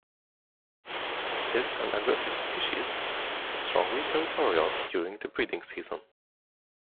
It is an aggressive species, and strongly territorial during the breeding season.